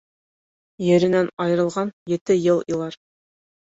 Еренән айырылған ете йыл илар